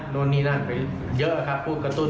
โรนนี้นั่นเยอะอะครับพูดกระตุ้น